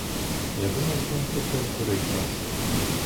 Я думаю, що він хоче обдурить нас.